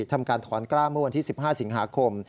ทำการถอนกล้าเมื่อวันที่๑๕สิงหาคม